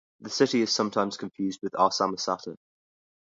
The city is sometimes confused with Arsamosata.